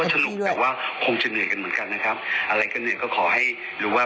ขอขอบคุณครับพี่เบิร์ดขอบคุณแฟนรายการทุกท่านด้วย